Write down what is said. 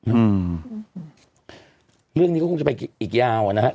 อืมเรื่องนี้ก็คงจะไปอีกยาวอ่ะนะฮะ